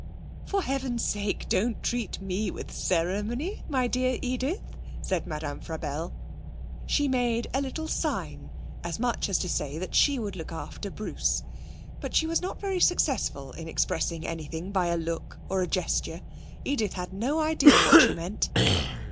'For heaven's sake don't treat me with ceremony, my dear Edith,' said Madame Frabelle. She made a little sign, as much as to say that she would look after Bruce. But she was not very successful in expressing anything by a look or a gesture. Edith had no idea what she meant.